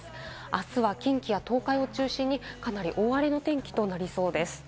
あすは近畿や東海を中心にかなり大荒れの天気となりそうです。